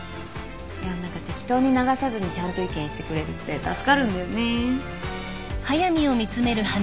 いや何か適当に流さずにちゃんと意見言ってくれるって助かるんだよね。